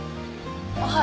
はい。